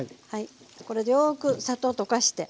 これよく砂糖溶かして。